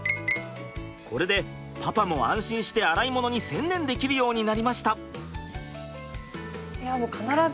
これでパパも安心して洗いものに専念できるようになりました。